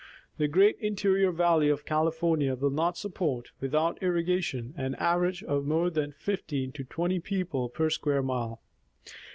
The great interior valley of California will not support, with out irrigation, an average of more than 15 to 20 people per square mile.